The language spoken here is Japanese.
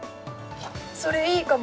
それいいかも。